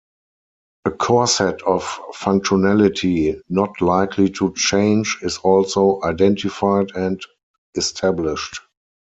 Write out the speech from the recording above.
A core set of functionality not likely to change is also identified and established.